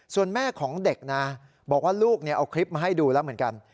ส่วนแม่ของเด็กนะบอกว่าลูกเอาคลิปมาให้ดูแล้วเหมือนกัน